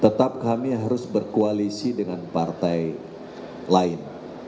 tetap kami harus berkoalisi dengan partai lain